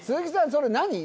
それ何？